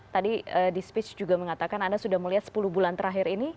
tadi di speech juga mengatakan anda sudah melihat sepuluh bulan terakhir ini